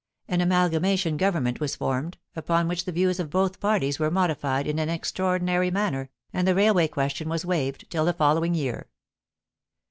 An amalgamation Government was formed, upon which the views of both parties were modified in an extraordinary manner, and the Railway question was waived till the following year.